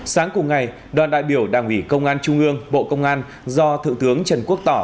sáng cùng ngày đoàn đại biểu đảng ủy công an trung ương bộ công an do thượng tướng trần quốc tỏ